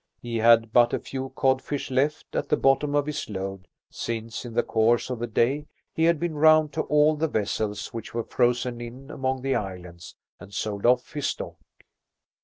He had but a few codfish left at the bottom of his load, since in the course of the day he had been round to all the vessels which were frozen in among the islands, and sold off his stock.